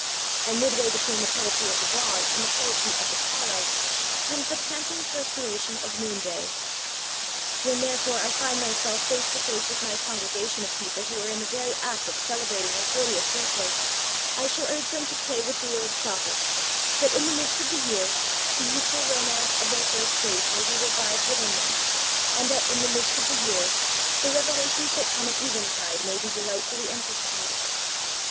And midway between the poetry of the dawn and the poetry of the twilight comes the panting perspiration of noonday. When, therefore, I find myself face to face with my congregation of people who are in the very act of celebrating their fortieth birthday, I shall urge them to pray with the old prophet that, in the midst of the years, the youthful romance of their first faith may be revived within them, and that, in the midst of the years, the revelations that come at eventide may be delightfully anticipated.